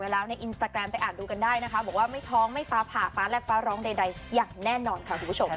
แต่เราคิดว่าเราจัดการในครอบครัวเชิญผู้ใหญ่มาทานข้าวแล้วก็มาทาบทามน้องไว้